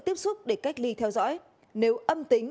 tiếp xúc để cách ly theo dõi